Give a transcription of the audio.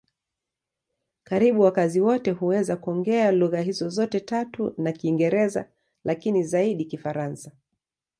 Karibu wakazi wote huweza kuongea lugha hizo zote tatu na Kiingereza, lakini zaidi Kifaransa.